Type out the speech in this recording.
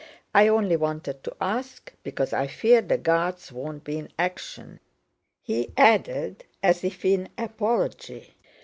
I only wanted to ask because I fear the Guards won't be in action," he added as if in apology.